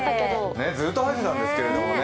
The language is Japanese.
ずっと晴れてたんですけどね。